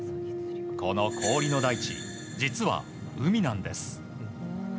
この氷の大地、実は海なんです。